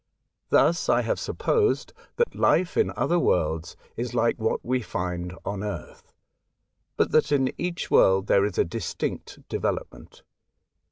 Thus I have supposed that the life in other worlds is like what we find on earth, but that in each world there is a distinct development.